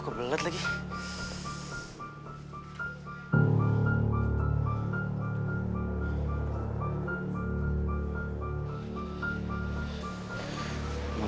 kebangetan tuh murid